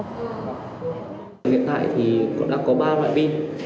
hiện tại thì còn đang có ba loại pin